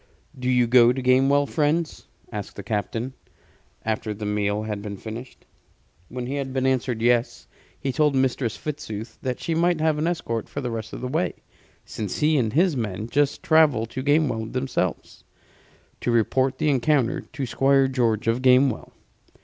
"Do you go to Gamewell, friends?" asked the captain, after the meal had been finished. When he had been answered yes, he told Mistress Fitzooth that she might have an escort for the rest of the way; since he and his men must travel to Gamewell themselves, to report the encounter to Squire George of Gamewell.